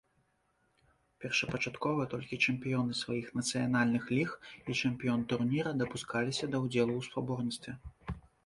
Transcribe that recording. Першапачаткова толькі чэмпіёны сваіх нацыянальных ліг і чэмпіён турніра дапускаліся да ўдзелу ў спаборніцтве.